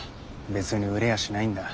別に売れやしないんだ。